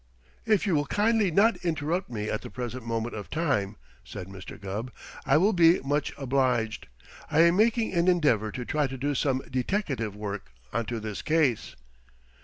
"If you will kindly not interrupt me at the present moment of time," said Mr. Gubb, "I will be much obliged. I am making an endeavor to try to do some deteckative work onto this case."